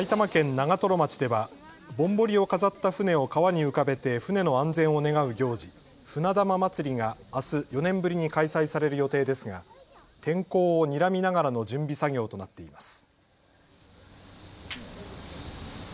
長瀞町ではぼんぼりを飾った船を川に浮かべて船の安全を願う行事、船玉まつりがあす４年ぶりに開催される予定ですが天候をにらみながらの準備作業となっています。